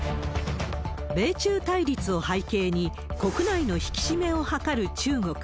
米中対立を背景に、国内の引き締めを図る中国。